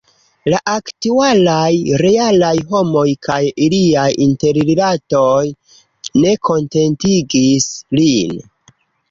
La aktualaj, realaj homoj kaj iliaj interrilatoj ne kontentigis lin.